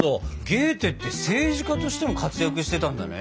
ゲーテって政治家としても活躍してたんだね！